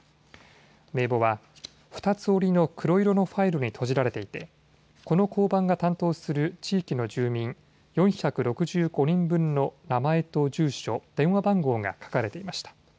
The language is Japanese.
名簿は二つ折りの黒色のファイルとじられていてこの交番が担当する地域の住民、４６５人分の名前と住所、電話番号が書かれていました。